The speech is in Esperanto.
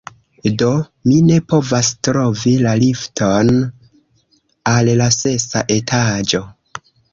Do, mi ne povas trovi la lifton al la sesa etaĝo!